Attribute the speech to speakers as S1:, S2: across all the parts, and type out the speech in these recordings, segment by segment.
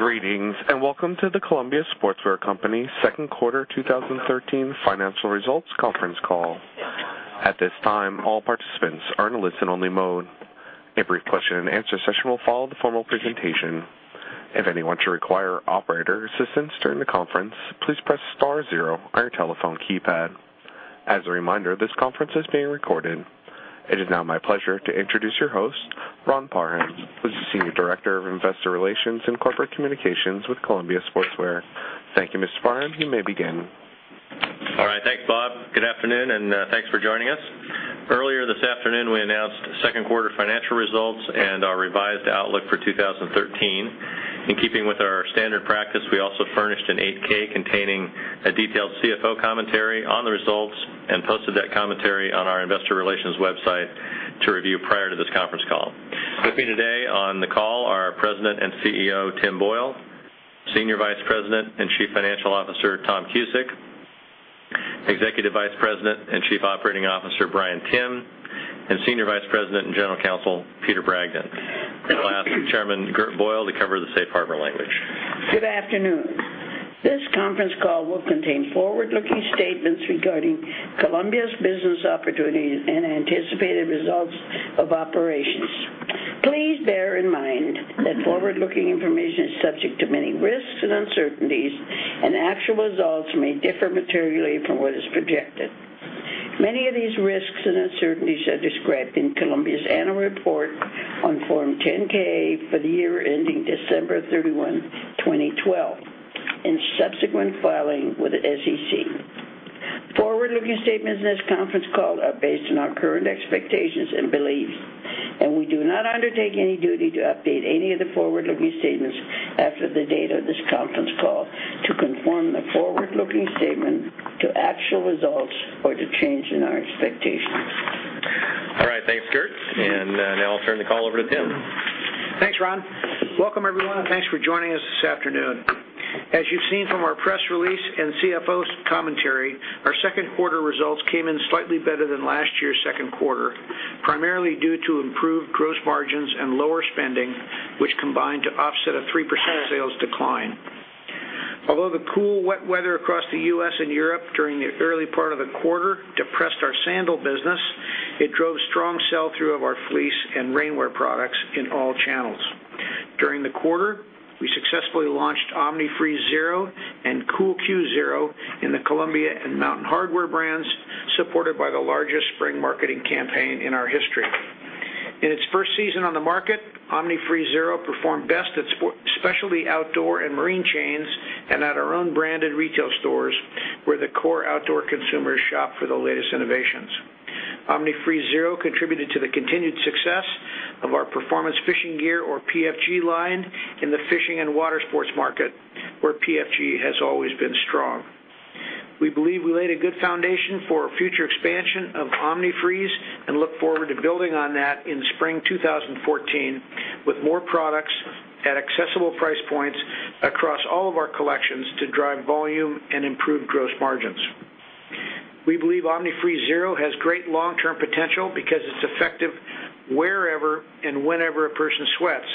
S1: Greetings. Welcome to the Columbia Sportswear Company second quarter 2013 financial results conference call. At this time, all participants are in a listen-only mode. A brief question and answer session will follow the formal presentation. If anyone should require operator assistance during the conference, please press star zero on your telephone keypad. As a reminder, this conference is being recorded. It is now my pleasure to introduce your host, Ron Parham, who's the Senior Director of Investor Relations and Corporate Communications with Columbia Sportswear. Thank you, Mr. Parham. You may begin.
S2: All right. Thanks, Bob. Good afternoon. Thanks for joining us. Earlier this afternoon, we announced second quarter financial results and our revised outlook for 2013. In keeping with our standard practice, we also furnished an 8-K containing a detailed CFO commentary on the results and posted that commentary on our investor relations website to review prior to this conference call. With me today on the call are our President and CEO, Tim Boyle, Senior Vice President and Chief Financial Officer, Tom Cusick, Executive Vice President and Chief Operating Officer, Bryan Timm, and Senior Vice President and General Counsel, Peter Bragdon. I'll ask Chairman Gert Boyle to cover the safe harbor language.
S3: Good afternoon. This conference call will contain forward-looking statements regarding Columbia's business opportunities and anticipated results of operations. Please bear in mind that forward-looking information is subject to many risks and uncertainties, and actual results may differ materially from what is projected. Many of these risks and uncertainties are described in Columbia's annual report on Form 10-K for the year ending December 31, 2012, and subsequent filing with the SEC. Forward-looking statements in this conference call are based on our current expectations and beliefs, and we do not undertake any duty to update any of the forward-looking statements after the date of this conference call to conform the forward-looking statement to actual results or to change in our expectations.
S2: All right. Thanks, Gert, and now I'll turn the call over to Tim.
S4: Thanks, Ron. Welcome, everyone, and thanks for joining us this afternoon. As you've seen from our press release and CFO's commentary, our second quarter results came in slightly better than last year's second quarter, primarily due to improved gross margins and lower spending, which combined to offset a 3% sales decline. Although the cool, wet weather across the U.S. and Europe during the early part of the quarter depressed our sandal business, it drove strong sell-through of our fleece and rainwear products in all channels. During the quarter, we successfully launched Omni-Freeze ZERO and Cool.Q ZERO in the Columbia and Mountain Hardwear brands, supported by the largest spring marketing campaign in our history. In its first season on the market, Omni-Freeze ZERO performed best at specialty outdoor and marine chains and at our own branded retail stores, where the core outdoor consumers shop for the latest innovations. Omni-Freeze ZERO contributed to the continued success of our Performance Fishing Gear or PFG line in the fishing and water sports market, where PFG has always been strong. We believe we laid a good foundation for future expansion of Omni-Freeze and look forward to building on that in spring 2014 with more products at accessible price points across all of our collections to drive volume and improve gross margins. We believe Omni-Freeze ZERO has great long-term potential because it's effective wherever and whenever a person sweats.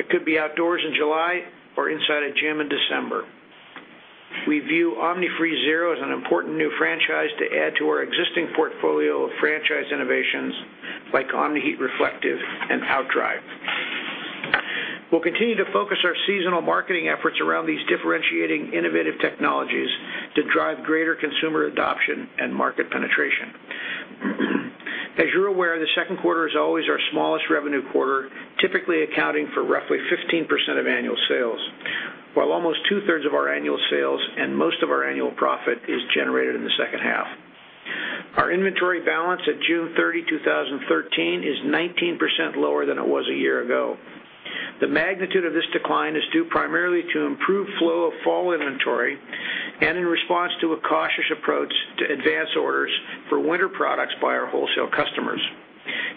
S4: It could be outdoors in July or inside a gym in December. We view Omni-Freeze ZERO as an important new franchise to add to our existing portfolio of franchise innovations like Omni-Heat Reflective and OutDry. We'll continue to focus our seasonal marketing efforts around these differentiating innovative technologies to drive greater consumer adoption and market penetration. As you're aware, the second quarter is always our smallest revenue quarter, typically accounting for roughly 15% of annual sales, while almost two-thirds of our annual sales and most of our annual profit is generated in the second half. Our inventory balance at June 30, 2013, is 19% lower than it was a year ago. The magnitude of this decline is due primarily to improved flow of fall inventory and in response to a cautious approach to advance orders for winter products by our wholesale customers.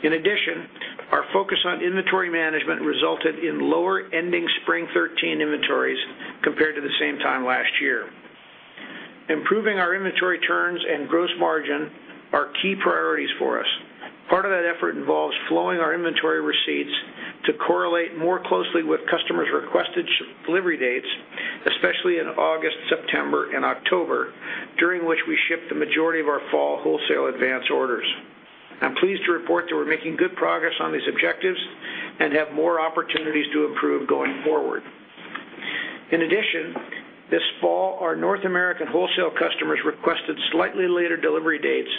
S4: In addition, our focus on inventory management resulted in lower ending spring 2013 inventories compared to the same time last year. Improving our inventory turns and gross margin are key priorities for us. Part of that effort involves flowing our inventory receipts to correlate more closely with customers' requested delivery dates, especially in August, September, and October, during which we ship the majority of our fall wholesale advance orders. I'm pleased to report that we're making good progress on these objectives and have more opportunities to improve going forward. In addition, this fall, our North American wholesale customers requested slightly later delivery dates,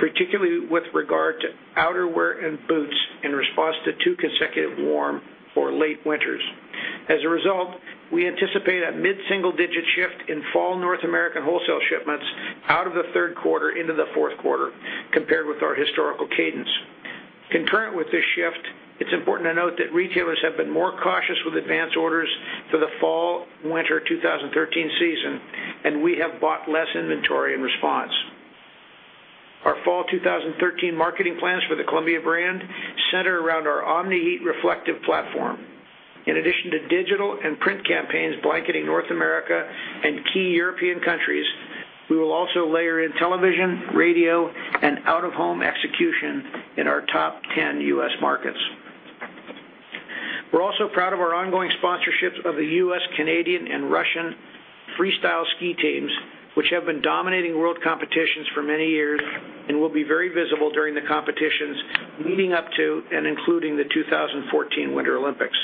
S4: particularly with regard to outerwear and boots, in response to two consecutive warm or late winters. As a result, we anticipate a mid-single-digit shift in fall North American wholesale shipments out of the third quarter into the fourth quarter compared with our historical cadence. Concurrent with this shift, it's important to note that retailers have been more cautious with advance orders for the fall/winter 2013 season, and we have bought less inventory in response. Our fall 2013 marketing plans for the Columbia brand center around our Omni-Heat Reflective platform. In addition to digital and print campaigns blanketing North America and key European countries. We will also layer in television, radio, and out-of-home execution in our top 10 U.S. markets. We're also proud of our ongoing sponsorships of the U.S., Canadian, and Russian freestyle ski teams, which have been dominating world competitions for many years and will be very visible during the competitions leading up to and including the 2014 Winter Olympics.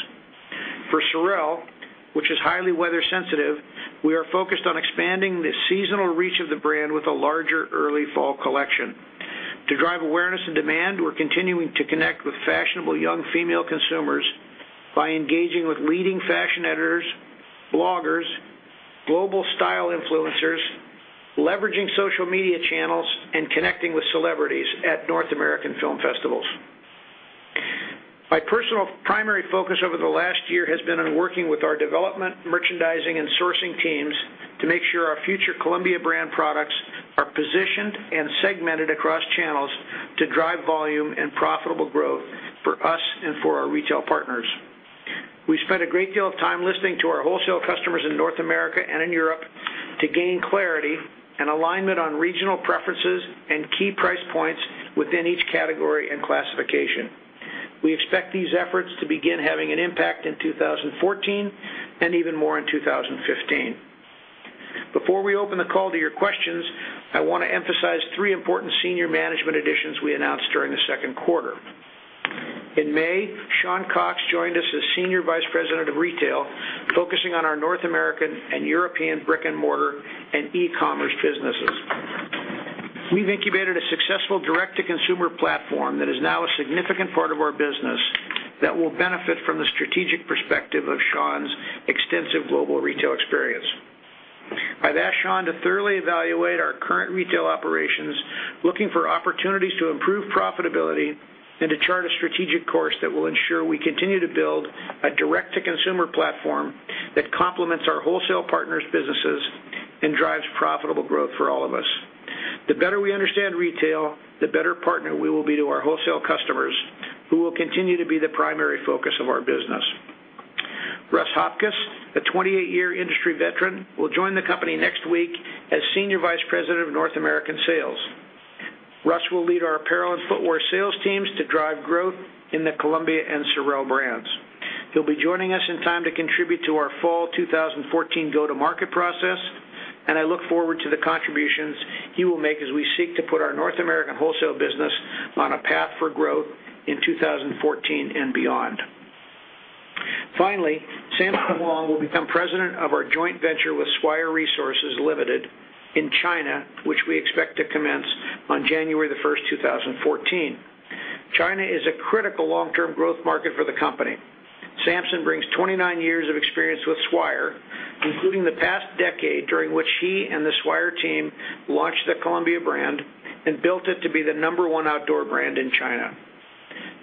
S4: For SOREL, which is highly weather sensitive, we are focused on expanding the seasonal reach of the brand with a larger early fall collection. To drive awareness and demand, we're continuing to connect with fashionable young female consumers by engaging with leading fashion editors, bloggers, global style influencers, leveraging social media channels, and connecting with celebrities at North American film festivals. My personal primary focus over the last year has been on working with our development, merchandising, and sourcing teams to make sure our future Columbia brand products are positioned and segmented across channels to drive volume and profitable growth for us and for our retail partners. We spent a great deal of time listening to our wholesale customers in North America and in Europe to gain clarity and alignment on regional preferences and key price points within each category and classification. We expect these efforts to begin having an impact in 2014, and even more in 2015. Before we open the call to your questions, I want to emphasize three important senior management additions we announced during the second quarter. In May, Shawn Cox joined us as Senior Vice President of Retail, focusing on our North American and European brick-and-mortar and e-commerce businesses. We've incubated a successful direct-to-consumer platform that is now a significant part of our business that will benefit from the strategic perspective of Shawn's extensive global retail experience. I've asked Shawn to thoroughly evaluate our current retail operations, looking for opportunities to improve profitability and to chart a strategic course that will ensure we continue to build a direct-to-consumer platform that complements our wholesale partners' businesses and drives profitable growth for all of us. The better we understand retail, the better partner we will be to our wholesale customers, who will continue to be the primary focus of our business. Russ Hopcus, a 28-year industry veteran, will join the company next week as Senior Vice President of North American Sales. Russ will lead our apparel and footwear sales teams to drive growth in the Columbia and SOREL brands. He'll be joining us in time to contribute to our fall 2014 go-to-market process, and I look forward to the contributions he will make as we seek to put our North American wholesale business on a path for growth in 2014 and beyond. Finally, Samson Wong will become president of our joint venture with Swire Resources Limited in China, which we expect to commence on January 1st, 2014. China is a critical long-term growth market for the company. Samson brings 29 years of experience with Swire, including the past decade, during which he and the Swire team launched the Columbia brand and built it to be the number one outdoor brand in China.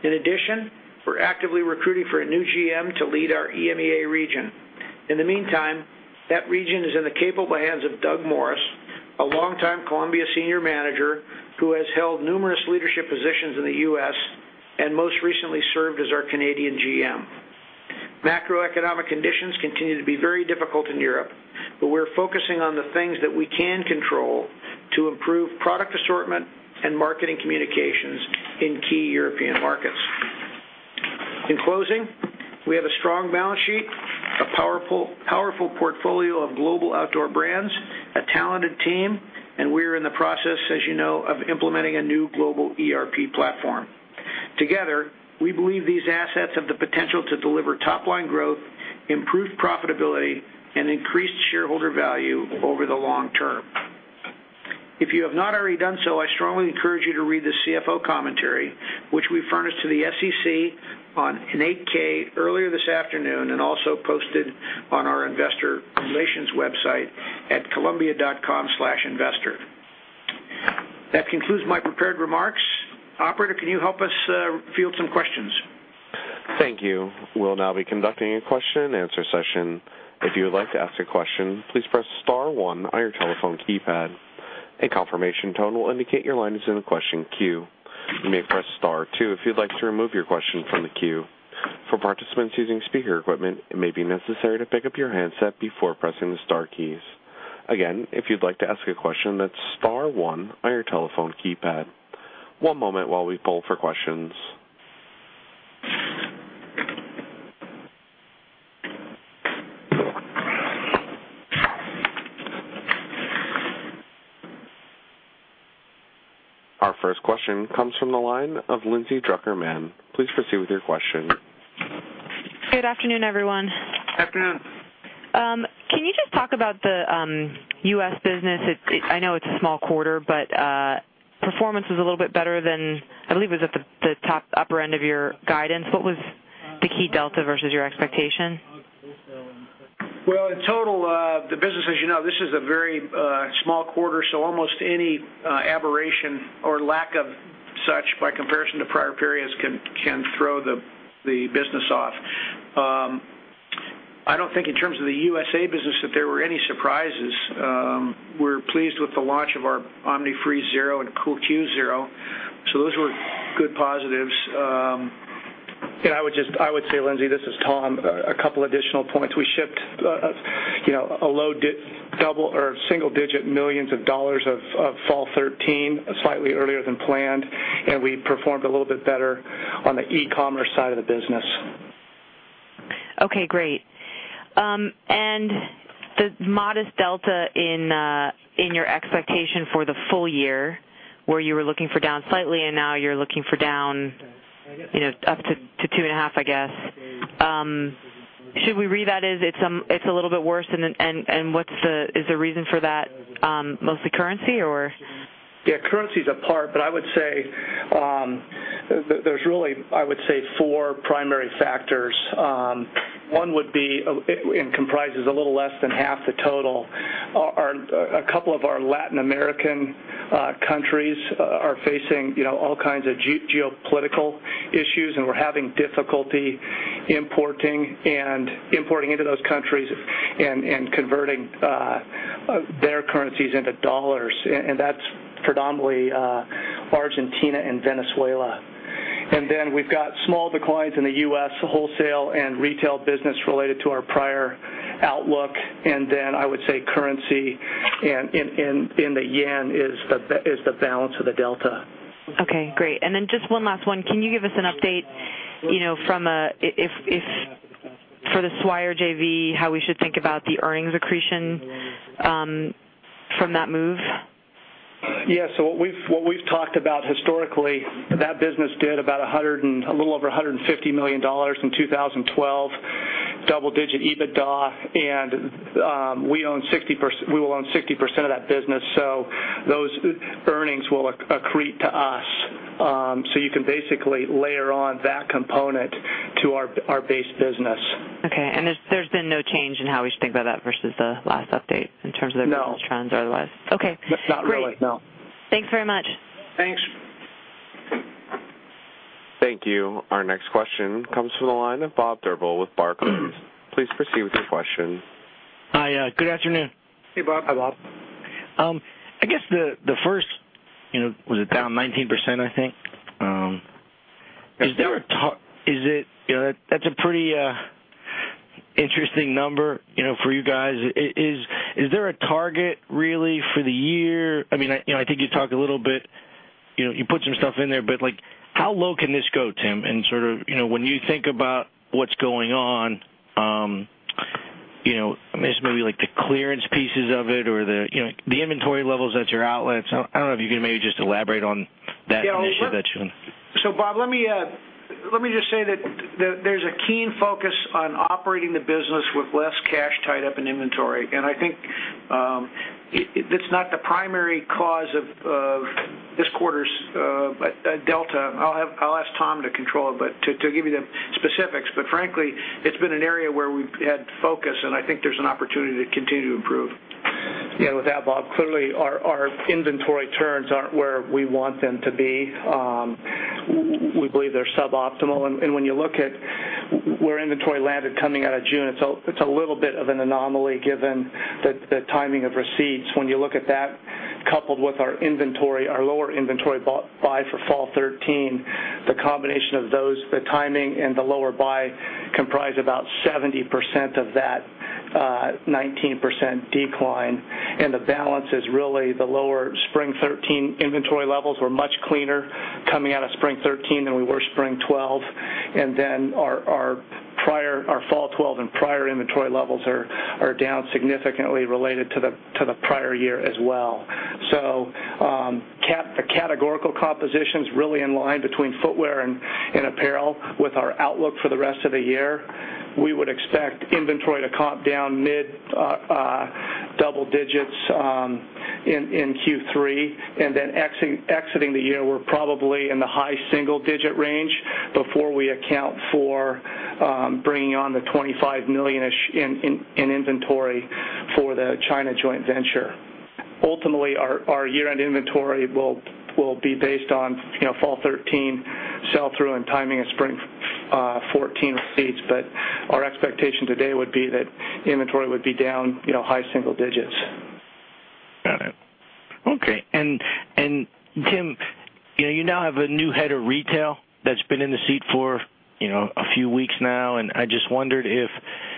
S4: In addition, we're actively recruiting for a new GM to lead our EMEA region. In the meantime, that region is in the capable hands of Doug Morse, a longtime Columbia senior manager who has held numerous leadership positions in the U.S. and most recently served as our Canadian GM. Macroeconomic conditions continue to be very difficult in Europe. We're focusing on the things that we can control to improve product assortment and marketing communications in key European markets. In closing, we have a strong balance sheet, a powerful portfolio of global outdoor brands, a talented team, and we're in the process, as you know, of implementing a new global ERP platform. Together, we believe these assets have the potential to deliver top-line growth, improved profitability, and increased shareholder value over the long term. If you have not already done so, I strongly encourage you to read the CFO commentary, which we furnished to the SEC on an 8-K earlier this afternoon. Also posted on our investor relations website at columbia.com/investor. That concludes my prepared remarks. Operator, can you help us field some questions?
S1: Thank you. We'll now be conducting a question and answer session. If you would like to ask a question, please press *1 on your telephone keypad. A confirmation tone will indicate your line is in the question queue. You may press *2 if you'd like to remove your question from the queue. For participants using speaker equipment, it may be necessary to pick up your handset before pressing the star keys. Again, if you'd like to ask a question, that's *1 on your telephone keypad. One moment while we poll for questions. Our first question comes from the line of Lindsay Drucker Mann. Please proceed with your question.
S5: Good afternoon, everyone.
S4: Afternoon.
S5: Can you just talk about the U.S. business? I know it's a small quarter, but performance was a little bit better than, I believe it was at the top upper end of your guidance. What was the key delta versus your expectation?
S4: In total, the business as you know, this is a very small quarter, almost any aberration or lack of such by comparison to prior periods can throw the business off. I don't think in terms of the USA business that there were any surprises. We're pleased with the launch of our Omni-Freeze ZERO and Cool.Q ZERO. Those were good positives.
S6: I would say, Lindsay, this is Tom, a couple additional points. We shipped a low double or single-digit millions of dollars of fall 2013, slightly earlier than planned, and we performed a little bit better on the e-commerce side of the business.
S5: Okay, great. The modest delta in your expectation for the full year, where you were looking for down slightly and now you're looking for down up to 2.5, I guess. Should we read that as it's a little bit worse? Is the reason for that mostly currency or?
S6: Currency is a part, but I would say, there's really, I would say four primary factors. One would be, and comprises a little less than half the total. A couple of our Latin American countries are facing all kinds of geopolitical issues, and we're having difficulty importing into those countries and converting their currencies into U.S. dollars. That's predominantly Argentina and Venezuela. We've got small declines in the U.S. wholesale and retail business related to our prior outlook. I would say currency and in the yen is the balance of the delta. Okay, great. Just one last one. Can you give us an update, for the Swire JV, how we should think about the earnings accretion from that move? What we've talked about historically, that business did a little over $150 million in 2012, double-digit EBITDA, and we will own 60% of that business. Those earnings will accrete to us. You can basically layer on that component to our base business. Okay. There's been no change in how we should think about that versus the last update. No trends or the less? Okay. Not really, no. Thanks very much. Thanks.
S1: Thank you. Our next question comes from the line of Robert Drbul with Barclays. Please proceed with your question.
S7: Hi. Good afternoon.
S6: Hey, Bob. Hi, Bob.
S7: I guess the first, was it down 19%? I think that's a pretty interesting number for you guys. Is there a target really for the year? I think you talked a little bit, you put some stuff in there, but how low can this go, Tim? When you think about what's going on, maybe like the clearance pieces of it or the inventory levels at your outlets. I don't know if you can maybe just elaborate on that initiative that you.
S4: Bob, let me just say that there's a keen focus on operating the business with less cash tied up in inventory. I think that's not the primary cause of this quarter's delta. I'll ask Tom to give you the specifics, but frankly, it's been an area where we've had focus, and I think there's an opportunity to continue to improve. With that, Bob, clearly, our inventory turns aren't where we want them to be. We believe they're suboptimal. When you look at where inventory landed coming out of June, it's a little bit of an anomaly given the timing of receipts. When you look at that coupled with our inventory, our lower inventory buy for fall 2013, the combination of those, the timing and the lower buy comprise about 70% of that 19% decline.
S6: The balance is really the lower spring 2013 inventory levels were much cleaner coming out of spring 2013 than we were spring 2012. Our fall 2012 and prior inventory levels are down significantly related to the prior year as well. The categorical composition's really in line between footwear and apparel. With our outlook for the rest of the year, we would expect inventory to comp down mid double digits in Q3. Exiting the year, we're probably in the high single-digit range before we account for bringing on the $25 million-ish in inventory for the China joint venture. Ultimately, our year-end inventory will be based on fall 2013 sell-through and timing of spring 2014 receipts. Our expectation today would be that inventory would be down high single digits.
S7: Got it. Okay. Tim, you now have a new head of retail that's been in the seat for a few weeks now. I just wondered if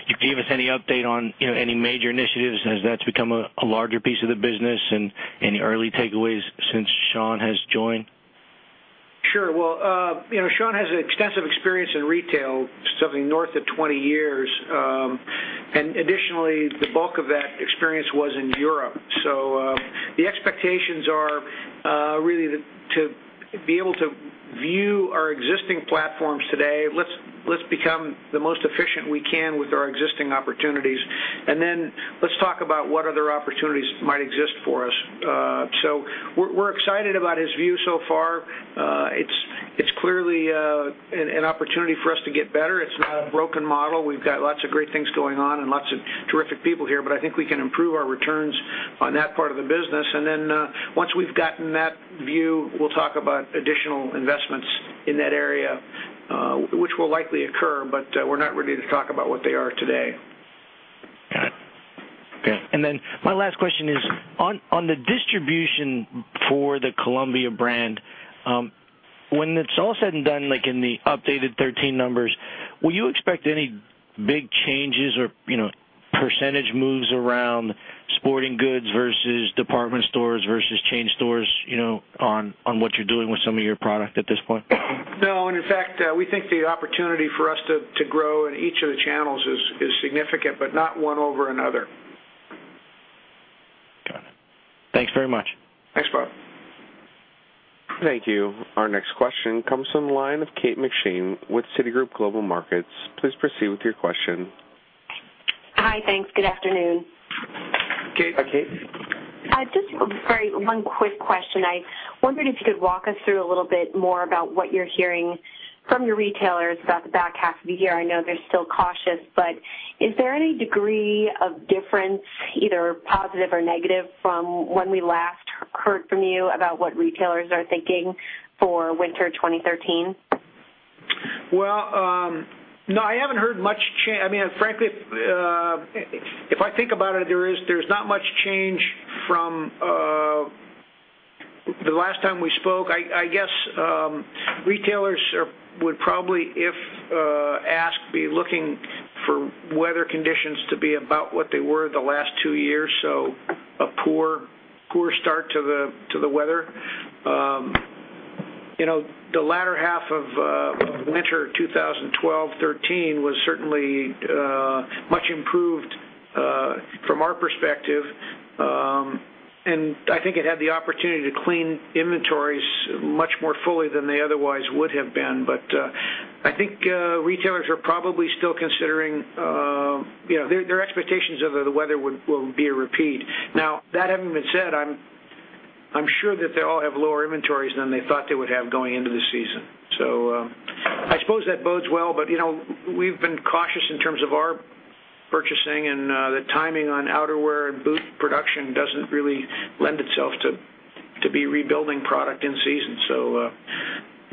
S7: you could give us any update on any major initiatives as that's become a larger piece of the business and any early takeaways since Shawn has joined?
S4: Well, Shawn has extensive experience in retail, something north of 20 years. Additionally, the bulk of that experience was in Europe. The expectations are really to be able to view our existing platforms today. Let's become the most efficient we can with our existing opportunities. Then let's talk about what other opportunities might exist for us. We're excited about his view so far. It's clearly an opportunity for us to get better. It's not a broken model. We've got lots of great things going on and lots of terrific people here, but I think we can improve our returns on that part of the business. Then, once we've gotten that view, we'll talk about additional investments in that area, which will likely occur, but we're not ready to talk about what they are today.
S7: Okay. Then my last question is, on the distribution for the Columbia brand, when it's all said and done, like in the updated 2013 numbers, will you expect any big changes or percentage moves around sporting goods versus department stores versus chain stores, on what you're doing with some of your product at this point?
S4: No. In fact, we think the opportunity for us to grow in each of the channels is significant, but not one over another.
S7: Got it. Thanks very much.
S4: Thanks, Bob.
S1: Thank you. Our next question comes from the line of Kate McShane with Citigroup Global Markets. Please proceed with your question.
S8: Hi. Thanks. Good afternoon.
S4: Kate. Hi, Kate.
S8: Just very one quick question. I wondered if you could walk us through a little bit more about what you're hearing from your retailers about the back half of the year. I know they're still cautious, but is there any degree of difference, either positive or negative, from when we last heard from you about what retailers are thinking for winter 2013?
S4: No, I haven't heard much change. Frankly, if I think about it, there's not much change from the last time we spoke. I guess, retailers would probably, if asked, be looking for weather conditions to be about what they were the last two years, so a poor start to the weather. The latter half of winter 2012-13 was certainly much improved, from our perspective. I think it had the opportunity to clean inventories much more fully than they otherwise would have been. I think retailers are probably still considering their expectations of the weather will be a repeat. That having been said, I'm sure that they all have lower inventories than they thought they would have going into the season. I suppose that bodes well, but we've been cautious in terms of our purchasing, and the timing on outerwear and boot production doesn't really lend itself to be rebuilding product in season.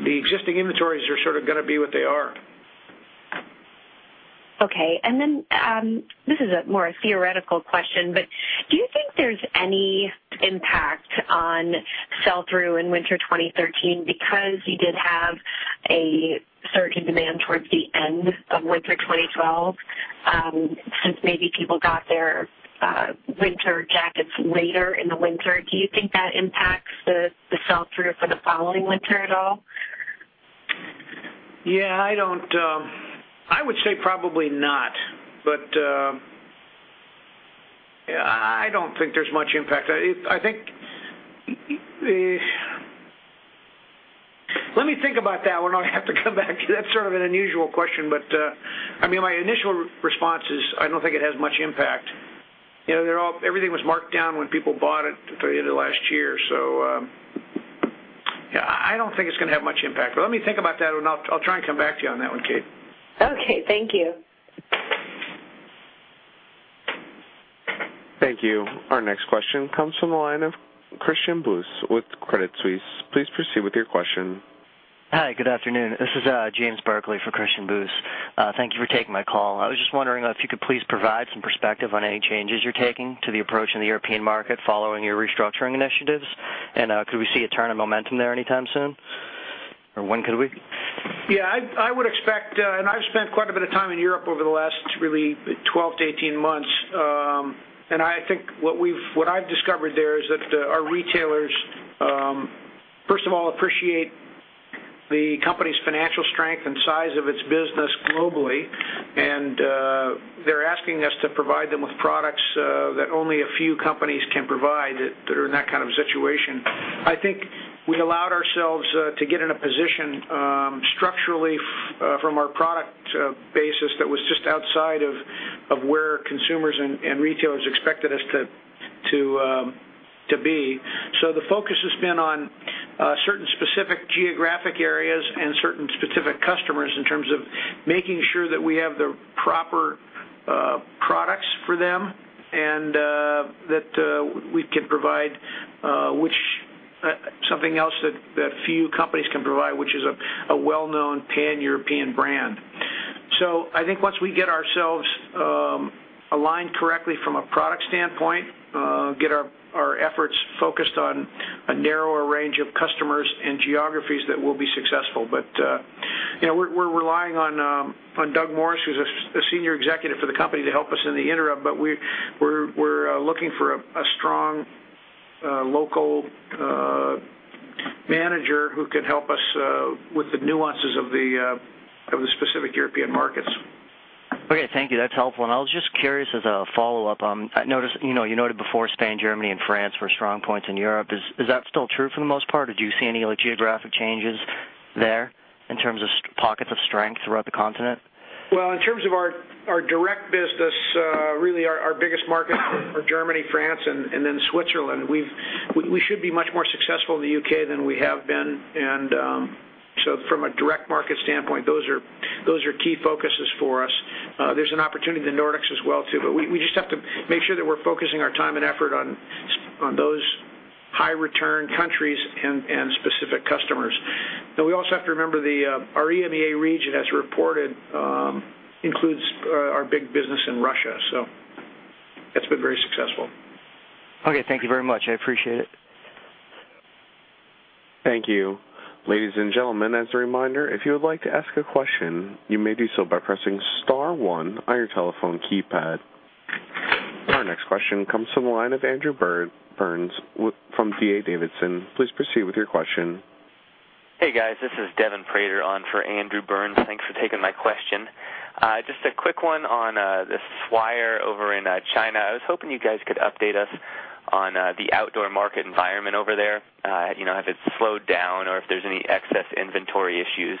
S4: The existing inventories are sort of going to be what they are.
S8: Okay. This is more a theoretical question, but do you think there's any impact on sell-through in winter 2013 because you did have a surge in demand towards the end of winter 2012, since maybe people got their winter jackets later in the winter? Do you think that impacts the sell-through for the following winter at all?
S4: I would say probably not. I don't think there's much impact. Let me think about that one. I have to come back to you. That's sort of an unusual question, but my initial response is, I don't think it has much impact. Everything was marked down when people bought it at the very end of last year. I don't think it's going to have much impact. Let me think about that one. I'll try and come back to you on that one, Kate.
S8: Okay. Thank you.
S1: Thank you. Our next question comes from the line of Christian Busse with Credit Suisse. Please proceed with your question.
S9: Hi, good afternoon. This is James Barclay for Christian Busse. Thank you for taking my call. I was just wondering if you could please provide some perspective on any changes you're taking to the approach in the European market following your restructuring initiatives. Could we see a turn of momentum there anytime soon? When could we?
S4: I've spent quite a bit of time in Europe over the last really 12 to 18 months. I think what I've discovered there is that our retailers, first of all, appreciate the company's financial strength and size of its business globally. They're asking us to provide them with products that only a few companies can provide that are in that kind of situation. I think we allowed ourselves to get in a position structurally from our product basis that was just outside of where consumers and retailers expected us to be. The focus has been on certain specific geographic areas and certain specific customers in terms of making sure that we have the proper products for them and that we can provide something else that few companies can provide, which is a well-known Pan-European brand. I think once we get ourselves aligned correctly from a product standpoint, get our efforts focused on a narrower range of customers and geographies that will be successful. We're relying on Doug Morse, who's a senior executive for the company, to help us in the interim. We're looking for a strong local manager who can help us with the nuances of the specific European markets.
S9: Okay. Thank you. That's helpful. I was just curious as a follow-up, you noted before Spain, Germany, and France were strong points in Europe. Is that still true for the most part, or do you see any geographic changes there in terms of pockets of strength throughout the continent?
S4: Well, in terms of our direct business, really our biggest markets are Germany, France, and then Switzerland. We should be much more successful in the U.K. than we have been. From a direct market standpoint, those are key focuses for us. There's an opportunity in the Nordics as well too, but we just have to make sure that we're focusing our time and effort on those high return countries and specific customers. Now, we also have to remember our EMEA region, as reported, includes our big business in Russia. That's been very successful.
S9: Okay, thank you very much. I appreciate it.
S1: Thank you. Ladies and gentlemen, as a reminder, if you would like to ask a question, you may do so by pressing star one on your telephone keypad. Our next question comes from the line of Andrew Burns from D.A. Davidson. Please proceed with your question.
S10: Hey, guys. This is Devin Prater on for Andrew Burns. Thanks for taking my question. Just a quick one on the Swire over in China. I was hoping you guys could update us on the outdoor market environment over there, have it slowed down, or if there's any excess inventory issues.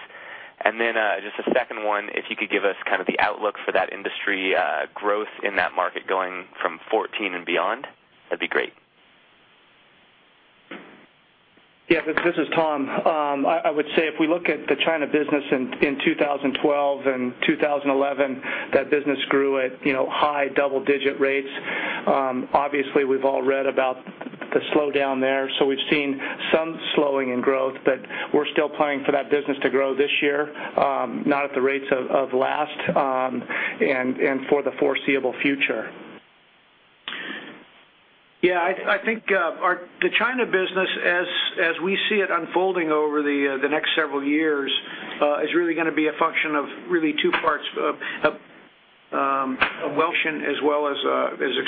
S10: Just a second one, if you could give us the outlook for that industry growth in that market going from 2014 and beyond, that'd be great.
S6: Yes. This is Tom. I would say if we look at the China business in 2012 and 2011, that business grew at high double-digit rates. Obviously, we've all read about the slowdown there, so we've seen some slowing in growth, but we're still planning for that business to grow this year, not at the rates of last, and for the foreseeable future.
S4: Yeah, I think the China business, as we see it unfolding over the next several years, is really going to be a function of really 2 parts. Of wealth as well as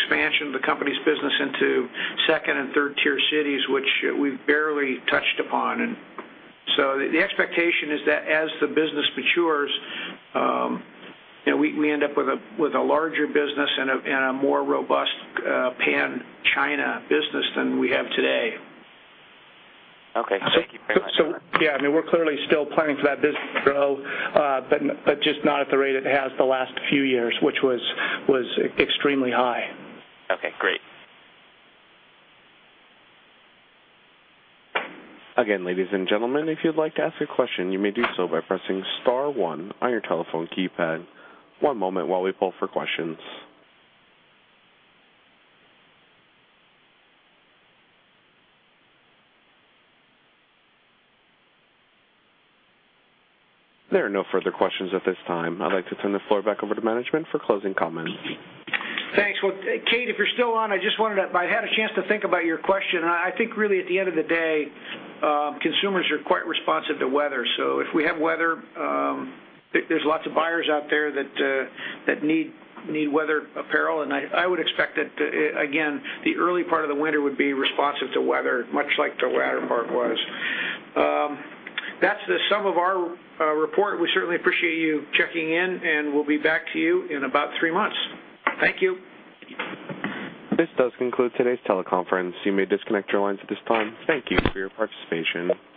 S4: expansion of the company's business into 2nd and 3rd-tier cities, which we've barely touched upon. The expectation is that as the business matures, we end up with a larger business and a more robust Pan-China business than we have today.
S10: Okay. Thank you very much.
S6: Yeah, we're clearly still planning for that business to grow. Just not at the rate it has the last few years, which was extremely high.
S10: Okay, great.
S1: Again, ladies and gentlemen, if you'd like to ask a question, you may do so by pressing star one on your telephone keypad. One moment while we poll for questions. There are no further questions at this time. I'd like to turn the floor back over to management for closing comments.
S4: Thanks. Well, Kate, if you're still on, I had a chance to think about your question, and I think really at the end of the day, consumers are quite responsive to weather. If we have weather, there's lots of buyers out there that need weather apparel, and I would expect that, again, the early part of the winter would be responsive to weather, much like the latter part was. That's the sum of our report. We certainly appreciate you checking in, and we'll be back to you in about three months. Thank you.
S1: This does conclude today's teleconference. You may disconnect your lines at this time. Thank you for your participation.